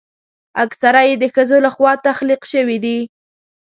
اکثره یې د ښځو لخوا تخلیق شوي دي.